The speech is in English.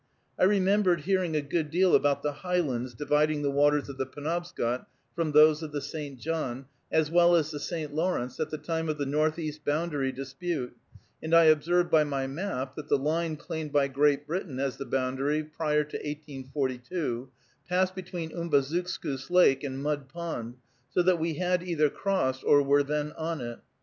I remembered hearing a good deal about the "highlands" dividing the waters of the Penobscot from those of the St. John, as well as the St. Lawrence, at the time of the northeast boundary dispute, and I observed by my map, that the line claimed by Great Britain as the boundary prior to 1842 passed between Umbazookskus Lake and Mud Pond, so that we had either crossed or were then on it.